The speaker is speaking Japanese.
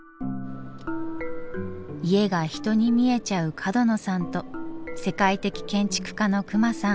家が人に見えちゃう角野さんと世界的建築家の隈さん。